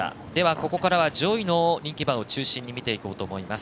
ここからは、上位の人気馬を見ていこうと思います。